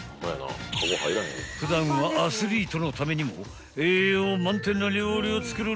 ［普段はアスリートのためにも栄養満点な料理を作るレジェンド寮母］